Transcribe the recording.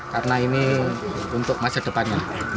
karena ini untuk masa depannya